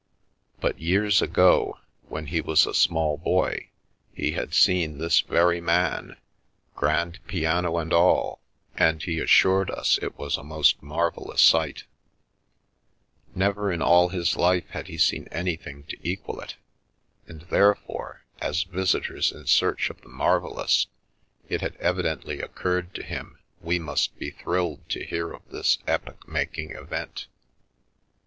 But years ago (when he was a small boy) he had seen this very man, grand piano and all, and he 281 The Milky Way assured us it was a most marvellous sight Never in all his life had he seen anything to equal it, and therefore, as visitors in search of the marvellous, it had evidently occurred to him we must be thrilled to hear of this epoch making event.